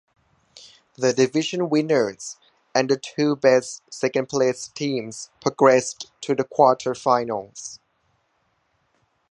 The division winners and the two best second-placed teams progressed to the quarter-finals.